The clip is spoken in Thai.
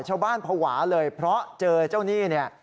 ชาวบ้านพวาเลยเพราะเจอเจ้านี่เนี่ย